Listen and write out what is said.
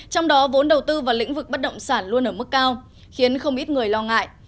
trong đó vốn đầu tư vào lĩnh vực bất động sản luôn ở mức cao khiến không ít người lo ngại